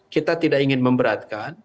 kita tidak ingin memberatkan